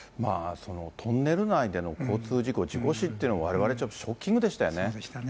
トンネル内での交通事故、事故死っていうのはわれわれ、ショッキングでしたよね。